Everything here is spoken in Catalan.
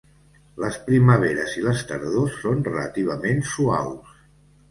Les primaveres i les tardors són relativament suaus.